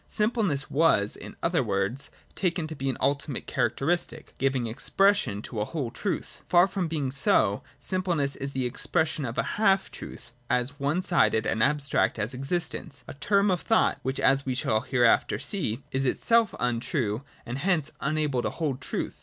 Simpleness was, in other words, taken to be an ultimate characteristic, giving expression to a whole truth. Far from being so, simpleness is the expression of a half truth, as one sided and abstract as existence :— a term of thought, which, as we shall hereafter see, is itself untrue and hence unable to hold truth.